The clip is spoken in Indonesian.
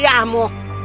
yang mana yang lebih baik